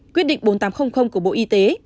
quyết định bốn nghìn tám trăm linh của bộ y tế